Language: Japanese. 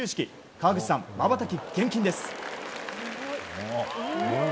川口さん、瞬き厳禁です。